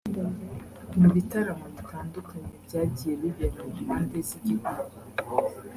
Mu bitaramo bitandukanye byagiye bibera mu mpande z’igihugu